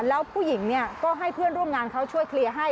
แล้วผู้หญิงเนี่ยก็ให้เพื่อนร่วมงานเขาช่วยเคลียร์ให้